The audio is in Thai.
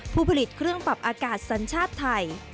ผู้ผลิตเครื่องปรับอากาศสัญชาติไทย